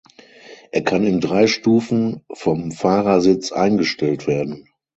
Er kann in drei Stufen vom Fahrersitz eingestellt werden.